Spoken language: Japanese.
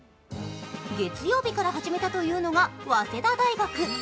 月曜日から始めたというのが早稲田大学。